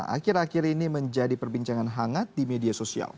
akhir akhir ini menjadi perbincangan hangat di media sosial